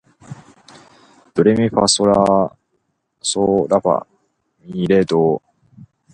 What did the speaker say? ドレミファソーラファ、ミ、レ、ドー